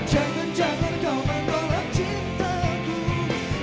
jangan jangan kau menolak cintaku